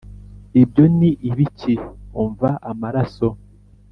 ibyo ni ibiki Umva Amaraso